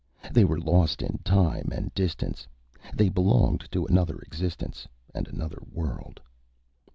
They were lost in time and distance; they belonged to another existence and another world.